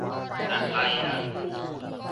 อะไรนะ ?